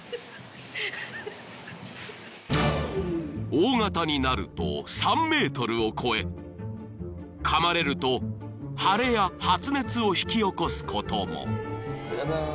［大形になると３ｍを超えかまれると腫れや発熱を引き起こすことも］